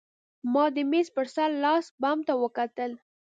ما د مېز په سر لاسي بم ته وکتل